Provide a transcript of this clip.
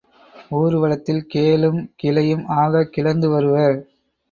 ஊர்வலத்தில் கேளும் கிளையும் ஆகக் கிளர்ந்து வருவர்.